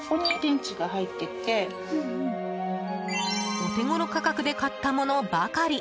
お手ごろ価格で買ったものばかり。